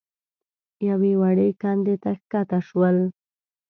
يوې وړې کندې ته کښته شول.